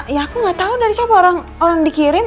ya aku gak tau dari siapa orang dikirim